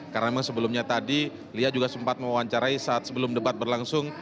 karena memang sebelumnya tadi lia juga sempat mewawancarai saat sebelum debat berlangsung